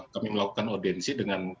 kami melakukan audiensi dengan